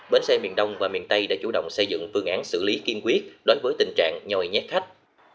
bến xe miền đông và miền tây đã chủ động xây dựng phương án xử lý kiên quyết đối với tình trạng nhòi nhét khách